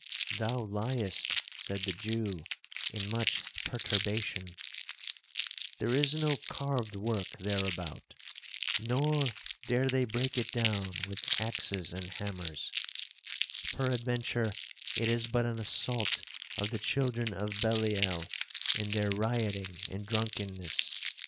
'—'Thou liest,' said the Jew, in much perturbation: 'there is no carved work thereabout, nor dare they break it down with axes and hammers; peradventure it is but an assault of the children of Belial, in their rioting and drunkenness.